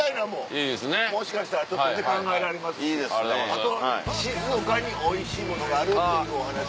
あと静岡においしいものがあるというお話も。